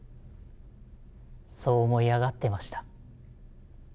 そう思い上がってました。